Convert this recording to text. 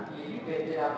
di bd apa